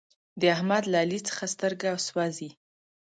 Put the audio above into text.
د احمد له علي څخه سترګه سوزي.